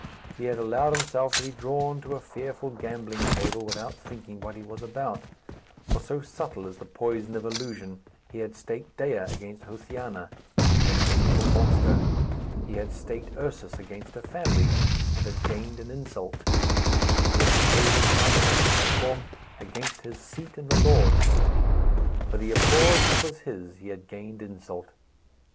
He had allowed himself to be drawn to a fearful gambling table, without thinking what he was about; for, so subtle is the poison of illusion, he had staked Dea against Josiana, and had gained a monster; he had staked Ursus against a family, and had gained an insult; he had played his mountebank platform against his seat in the Lords; for the applause which was his he had gained insult.